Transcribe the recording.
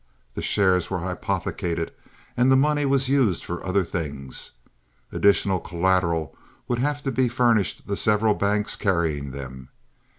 The shares were hypothecated and the money was used for other things. Additional collateral would have to be furnished the several banks carrying them.